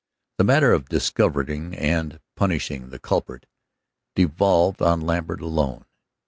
The matter of discovering and punishing the culprit devolved on Lambert alone.